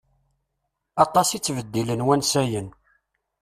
Aṭas i ttbeddilen wansayen.